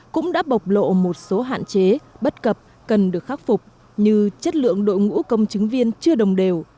cũng đã bộc lộ một số hạn chế bất cập cần được khắc phục như chất lượng đội ngũ công chứng viên chưa đồng đều